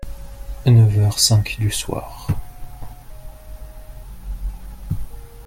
Neuf heures cinq du soir.